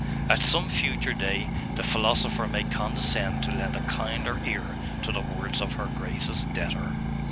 At some future day, the philosopher may condescend to lend a kinder ear to the words of her greatest debtor